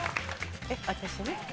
私ね。